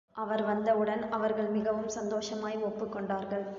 அவர் வந்தவுடன், அவர்கள் மிகவும் சந்தோஷமாய் ஒப்புக்கொண்டார்கள்.